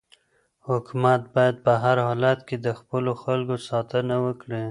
حکومت باید په هر حالت کې د خپلو خلکو ساتنه وکړي.